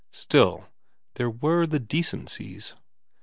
Still there were the decencies.